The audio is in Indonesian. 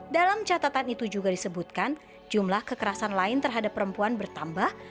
dalam catatan itu juga disebutkan jumlah kekerasan lain terhadap perempuan bertambah